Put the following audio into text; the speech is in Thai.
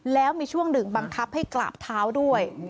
แล้วมีช่วงหนึ่งบังคับให้กราบเท้าด้วย